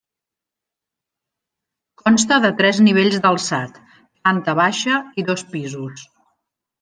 Consta de tres nivells d'alçat: planta baixa i dos pisos.